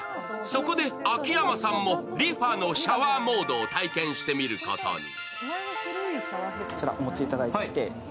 そこで秋山さんもＲｅｆａのシャワーモードを体験してみることに。